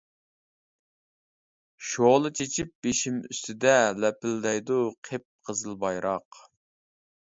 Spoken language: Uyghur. شولا چېچىپ بېشىم ئۈستىدە، لەپىلدەيدۇ قىپقىزىل بايراق.